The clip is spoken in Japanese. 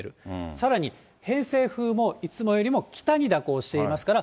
さらに偏西風もいつもよりも北に蛇行していますから、